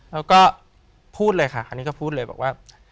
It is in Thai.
แล้วก็พูดเลยค่ะอันนี้ก็พูดเลยบอกว่า